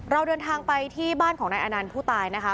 เราเดินทางไปที่บ้านของนายอนันต์ผู้ตายนะคะ